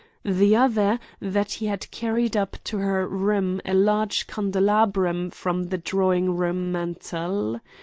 The other, that he had carried up to her room a large candelabrum from the drawing room mantel.